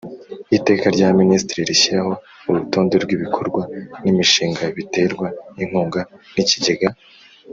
Iteka rya minisitiri rishyiraho urutonde rw ibikorwa n imishinga biterwa inkunga n ikigega